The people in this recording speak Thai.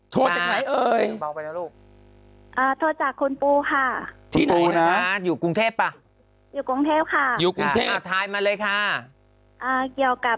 โทรจากคุณปู่ค่ะมาเลยค่ะ